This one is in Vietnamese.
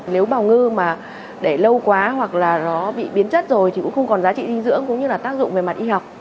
nếu bào ngư mà để lâu quá hoặc là nó bị biến chất rồi thì cũng không còn giá trị dinh dưỡng cũng như là tác dụng về mặt y học